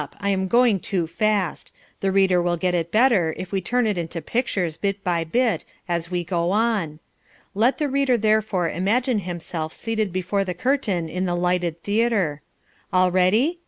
I am going too fast. The reader will get it better if we turn it into pictures bit by bit as we go on. Let the reader therefore imagine himself seated before the curtain in the lighted theatre. All ready?